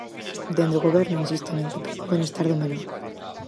Dende o Goberno insisten en que prima o benestar do menor.